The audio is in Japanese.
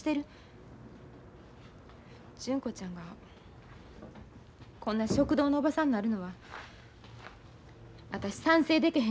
純子ちゃんがこんな食堂のおばさんになるのは私賛成でけへんのやけど。